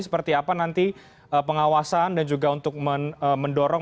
seperti apa nanti pengawasan dan juga untuk mendorong